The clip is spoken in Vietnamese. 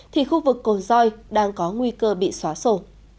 thì khu vực cồn doi đang có nguy cơ bị xóa sổ